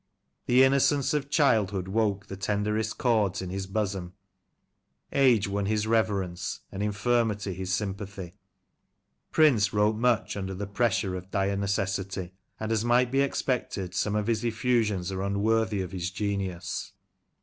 The innocence of 12 Lancashire Characters and Places, childhood woke the tenderest chords in his bosom, age won his reverence, and infirmity his sympathy. Prince wrote much unden the pressure of dire necessity, and, as might be expected, some of his effusions are unworthy of his genius.